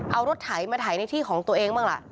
เอารถไถมาถ่ายในที่ของตัวเองบ้างล่ะ